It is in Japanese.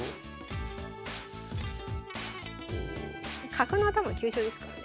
角の頭は急所ですからね。